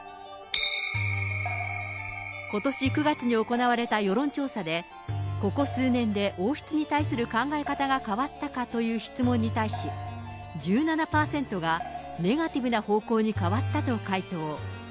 ことし９月に行われた世論調査で、ここ数年で王室に対する考え方が変わったかという質問に対し、１７％がネガティブな方向に変わったと回答。